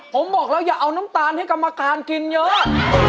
ผมบอกแล้วอย่าเอาน้ำตาลให้กรรมการกินเยอะ